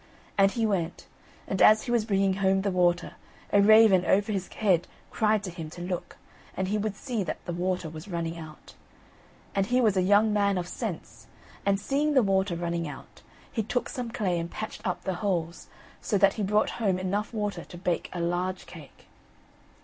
And he went, and as he was bringing home the water, a raven over his head cried to him to look, and he would see that the water was running out. And he was a young man of sense, and seeing the water running out, he took some clay and patched up the holes, so that he brought home enough water to bake a large cake.